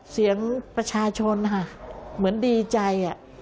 เสียงประชาชนค่ะเหมือนดีใจ